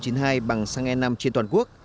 ron chín mươi hai bằng xăng e năm trên toàn quốc